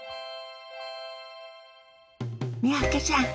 三宅さん